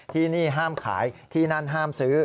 ที่นี่ห้ามขายที่นั่นห้ามซื้อ